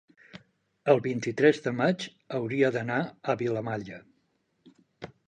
el vint-i-tres de maig hauria d'anar a Vilamalla.